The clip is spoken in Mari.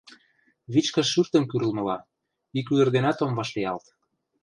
Вичкыж шӱртым кӱрлмыла, ик ӱдыр денат ом вашлиялт.